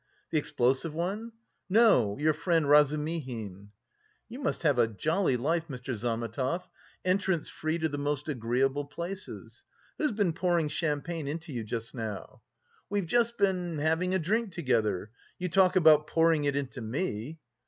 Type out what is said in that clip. "The explosive one?" "No, your friend Razumihin." "You must have a jolly life, Mr. Zametov; entrance free to the most agreeable places. Who's been pouring champagne into you just now?" "We've just been... having a drink together.... You talk about pouring it into me!"